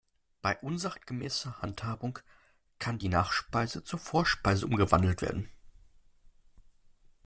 Bei unsachgemäßer Handhabung kann die Nachspeise zur Vorspeise umgewandelt werden.